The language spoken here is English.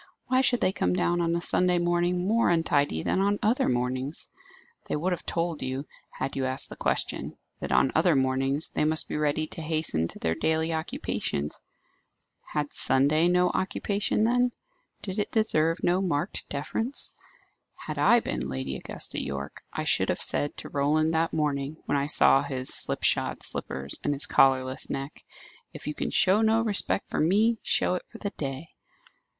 Why should they come down on a Sunday morning more untidy than on other mornings? They would have told you, had you asked the question, that on other mornings they must be ready to hasten to their daily occupations. Had Sunday no occupation, then? Did it deserve no marked deference? Had I been Lady Augusta Yorke, I should have said to Roland that morning, when I saw his slip shod slippers and his collarless neck, "If you can show no respect for me, show it for the day."